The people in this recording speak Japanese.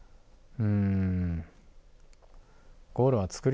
うん。